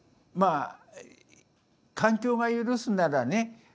まあ環境が許すならね